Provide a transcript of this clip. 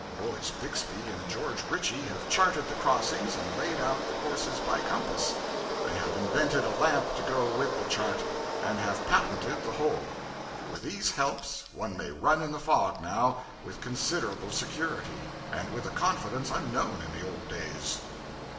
Horace Bixby and George Ritchie have charted the crossings and laid out the courses by compass; they have invented a lamp to go with the chart, and have patented the whole. With these helps, one may run in the fog now, with considerable security, and with a confidence unknown in the old days.